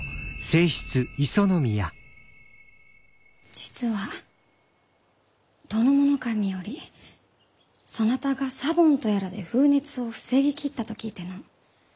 実は主殿頭よりそなたがサボンとやらで風熱を防ぎきったと聞いての。